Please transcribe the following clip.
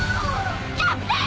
キャプテン！